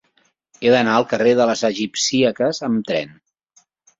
He d'anar al carrer de les Egipcíaques amb tren.